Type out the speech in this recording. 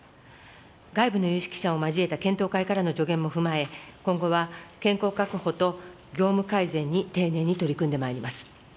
外部の有識者を交えた検討会からの助言も踏まえ、今後は健康確保と業務改善に丁寧に取り組んでまいります。